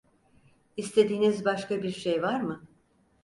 İstediğiniz başka bir şey var mı?